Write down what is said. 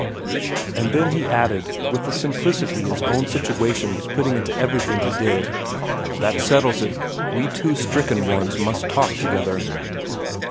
And then he added, with the simplicity his own situation was putting into everything he did, ' That settles it. We two stricken ones must talk together.'